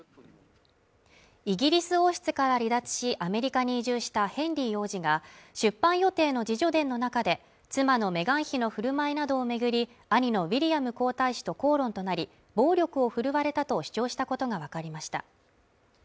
イギリス王室から離脱しアメリカに移住したヘンリー王子が出版予定の自叙伝の中で妻のメガン妃の振る舞いなどを巡り兄のウィリアム皇太子と口論となり暴力を振るわれたと主張したことが分かりました